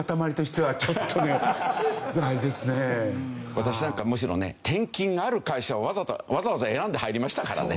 私なんかはむしろね転勤がある会社をわざとわざわざ選んで入りましたからね。